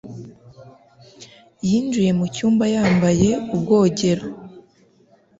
yinjiye mucyumba yambaye ubwogero.